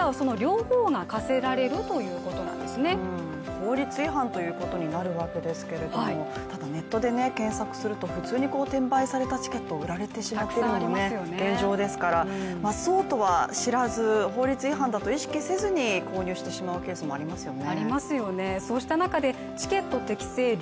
法律違反ということになるわけですけれどもただ、ネットで検索すると普通に転売されたチケットが売られてしまったという現状ですからそうとは知らず、法律違反だと意識せずに購入してしまうケースもありますよね。